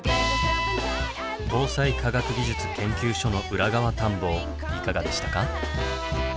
防災科学技術研究所の裏側探訪いかがでしたか？